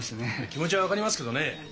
気持ちは分かりますけどね